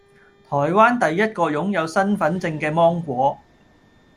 台灣第一個擁有身分證嘅芒果